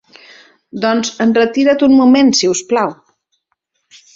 Doncs enretira't un moment, sisplau.